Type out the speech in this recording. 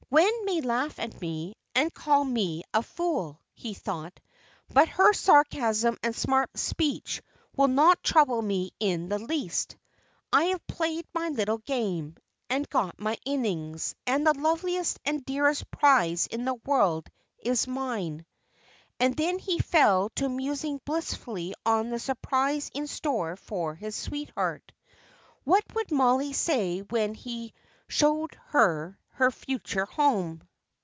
"Gwen may laugh at me, and call me a fool," he thought, "but her sarcasm and smart speech will not trouble me in the least. I have played my little game, and got my innings, and the loveliest and dearest prize in the world is mine." And then he fell to musing blissfully on the surprise in store for his sweetheart. What would Mollie say when he showed her her future home?